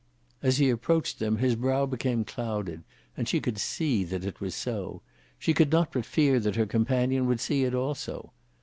As he approached them his brow became clouded, and she could see that it was so. She could not but fear that her companion would see it also.